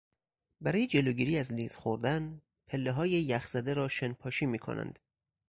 برای جلوگیری از لیز خوردن، پلههای یخزده را شنپاشی میکنند.